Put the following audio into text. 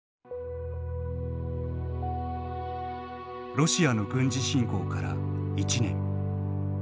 ロシアの軍事侵攻から一年。